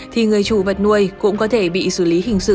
thì người chủ vật nuôi cũng có thể bị xử lý hình sự